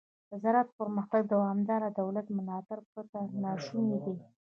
د زراعت پرمختګ له دوامداره دولت ملاتړ پرته ناشونی دی.